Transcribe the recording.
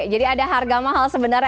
jadi ada harga mahal sebenarnya